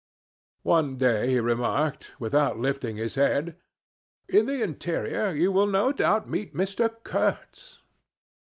"One day he remarked, without lifting his head, 'In the interior you will no doubt meet Mr. Kurtz.'